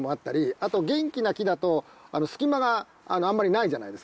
あと元気な木だと隙間があんまりないじゃないですか。